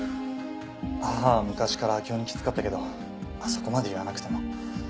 母は昔から明生にきつかったけどあそこまで言わなくても。